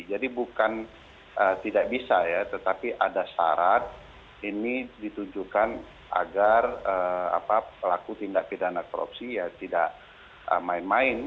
jadi bukan tidak bisa ya tetapi ada syarat ini ditujukan agar pelaku tindak pidana korupsi ya tidak main main